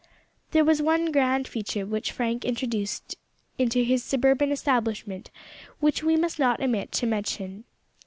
There was one grand feature which Frank introduced into his suburban establishment which we must not omit to mention.